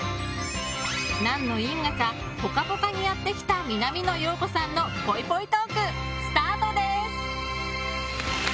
何の因果か「ぽかぽか」にやって来た南野陽子さんのぽいぽいトークスタートです！